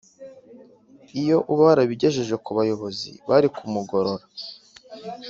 iyo uba warabigejeje ku bayobozi bari kumugorora